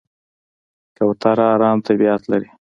کوتره آرام طبیعت لري.